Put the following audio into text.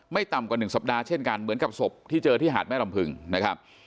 ต่ำกว่า๑สัปดาห์เช่นกันเหมือนกับศพที่เจอที่หาดแม่ลำพึงนะครับ